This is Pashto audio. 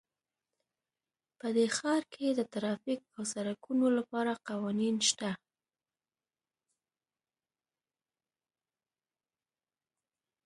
په دې ښار کې د ټرافیک او سړکونو لپاره قوانین شته